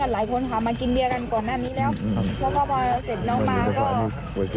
บิดแซมน้ำตาคุยกับบังดัน